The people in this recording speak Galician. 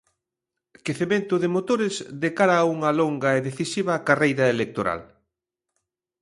Quecemento de motores de cara a unha longa e decisiva carreira electoral.